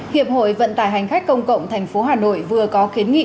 hiệp hội vận tải hành khách công cộng tp hà nội vừa có kiến nghị